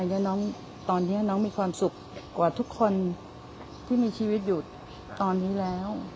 สิ่งที่ผมอยากจะการที่น้องตอนนี้น้องมีความสุขกว่าทุกคนที่มีชีวิตอยู่ตอนนี้แล้ว